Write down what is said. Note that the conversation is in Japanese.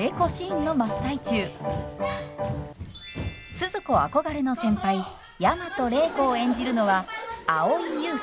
スズ子憧れの先輩大和礼子を演じるのは蒼井優さん。